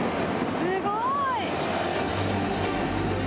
すごい。